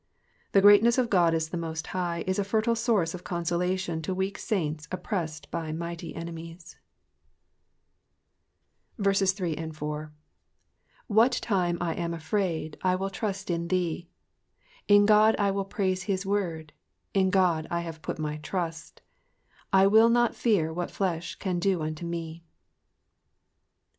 The great ness of God as the Most High is a fertile source of consolation to weak saints oppressed by mighty enemies. 3 What time I am afraid, I will trust in thee. 4 In God I will praise his word, in God I have put my trust ; I will not fear what flesh can do unto me.